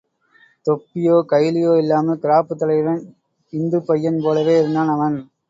தொப்பியோ, கைலியோ இல்லாமல், கிராப்புத் தலையுடன் இந்துப் பையன் போலவே இருந்தான் அவன்.